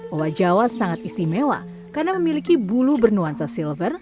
owa jawa sangat istimewa karena memiliki bulu bernuansa silver